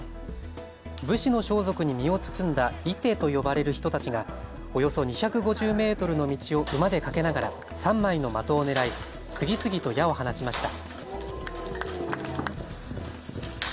武士の装束に身を包んだ射手と呼ばれる人たちがおよそ２５０メートルの道を馬で駆けながら３枚の的を狙い次々と矢を放ちました。